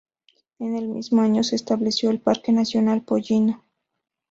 En el mismo año se estableció el Parque nacional Pollino.